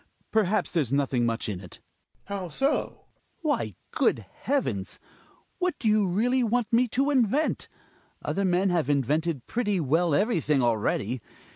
Perhaps there's nothing much in it. Greqers. How so? Hjalmar. Why, good heavens ! What do you really p wantme to invent? Other men have invented pretty jL well everything* already.